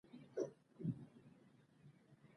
تالابونه د افغانستان د اقتصاد برخه ده.